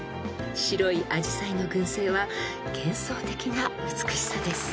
［白いアジサイの群生は幻想的な美しさです］